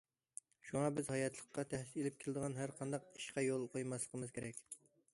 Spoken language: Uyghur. شۇڭا بىز ھاياتلىققا تەھدىت ئېلىپ كېلىدىغان ھەر قانداق ئىشقا يول قويماسلىقىمىز كېرەك.